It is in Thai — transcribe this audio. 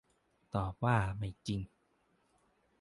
ตอบว่า ไม่จริง